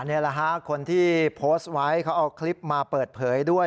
นี่แหละฮะคนที่โพสต์ไว้เขาเอาคลิปมาเปิดเผยด้วย